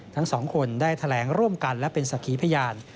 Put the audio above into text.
ทั้งสองคนได้แถลงร่วมกันและเป็นสักขีพยาน